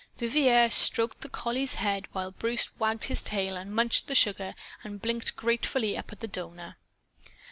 Vivier stroked the collie's head while Bruce wagged his tail and munched the sugar and blinked gratefully up at the donor.